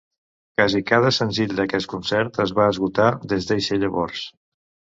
Quasi cada senzill d'aquest concert es va esgotar des d'eixe llavors.